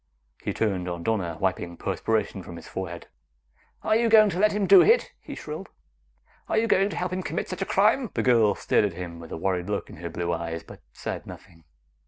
He turned on Donna, wiping perspiration from his forehead. "Are you going to let him do it?" he shrilled. "Are you going to help him commit such a crime?" The girl stared at him with a worried look in her blue eyes but said nothing.